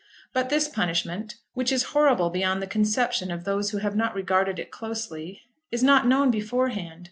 But this punishment, which is horrible beyond the conception of those who have not regarded it closely, is not known beforehand.